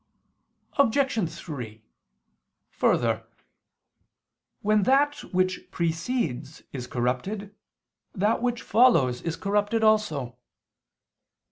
Obj. 3: Further, when that which precedes is corrupted, that which follows is corrupted also.